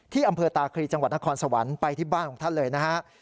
อำเภอตาครีจังหวัดนครสวรรค์ไปที่บ้านของท่านเลยนะฮะ